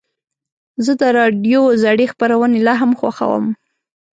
زه د راډیو زړې خپرونې لا هم خوښوم.